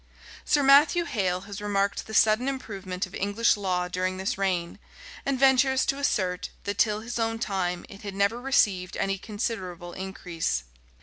Sir Matthew Hale has remarked the sudden improvement of English law during this reign; and ventures to assert, that till his own time it had never received any considerable increase.